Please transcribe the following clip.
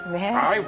はい。